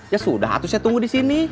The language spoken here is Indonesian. ya sudah harusnya tunggu di sini